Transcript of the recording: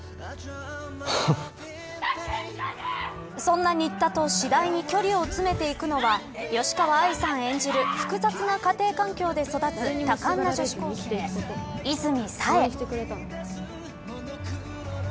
そんな新田と次第に距離を詰めていくのは吉川愛さん演じる複雑な家庭環境で育つ多感な女子高生、和泉冴。